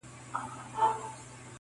جهاني څه به پر پردیو تهمتونه وایو -